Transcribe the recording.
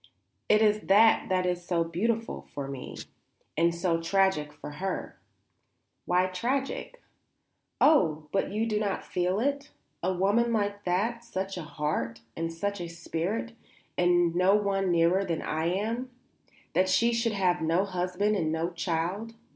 It is that that is so beautiful for me and so tragic for her." "Why tragic?" "Oh, but you do not feel it? A woman like that, such a heart, and such a spirit and no one nearer than I am? That she should have no husband and no child?